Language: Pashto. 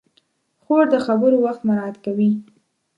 خور د خبرو وخت مراعت کوي.